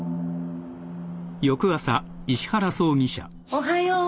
おはよう。